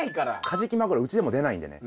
カジキマグロうちでも出ないんでね。